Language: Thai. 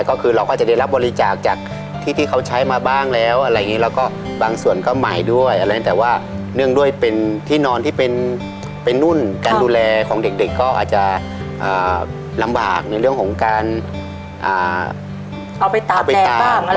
ก็คือเราก็จะได้รับบริจาคจากที่ที่เขาใช้มาบ้างแล้วอะไรอย่างนี้แล้วก็บางส่วนก็ใหม่ด้วยอะไรแต่ว่าเนื่องด้วยเป็นที่นอนที่เป็นนุ่นการดูแลของเด็กก็อาจจะลำบากในเรื่องของการเอาไปตาม